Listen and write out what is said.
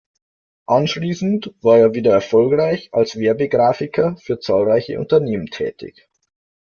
Anschließend war er wieder erfolgreich als Werbegrafiker für zahlreiche Unternehmen tätig.